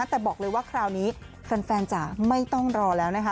แต่บอกเลยว่าคราวนี้แฟนจ๋าไม่ต้องรอแล้วนะคะ